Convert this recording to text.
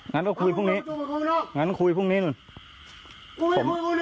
งั้นก็คุยพรุ่งนี้งั้นคุยพรุ่งนี้นู่น